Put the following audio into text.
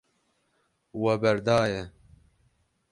We berdaye.